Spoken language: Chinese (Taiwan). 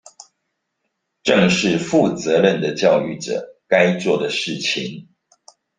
正是負責任的教育者該做的事情